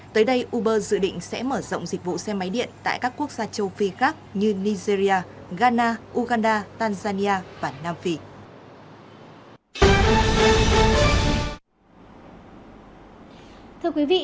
tới đây uber dự định sẽ mở rộng dịch vụ xe máy điện tại các quốc gia châu phi khác như nigeria ghana uganda tanzania và nam phi